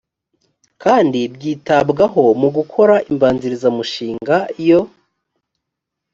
kandi byitabwaho mu gukora imbanzirizamushinga yo